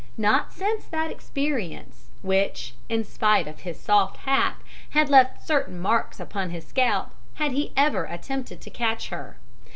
Not since that experience, which, in spite of his soft hat, had left certain marks upon his scalp, had he ever attempted to catch her.